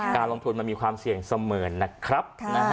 การลงทุนมันมีความเสี่ยงเสมอนะครับ